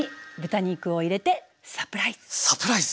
サプライズ！